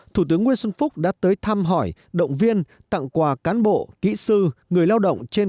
thủ tướng nguyễn xuân phúc đã tới thăm hỏi động viên tặng quà cán bộ kỹ sư người lao động trên